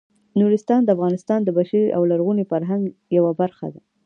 نورستان د افغانستان د بشري او لرغوني فرهنګ یوه برخه ده.